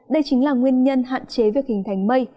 đây chính là nguyên nhân hạn chế việc hình thành mây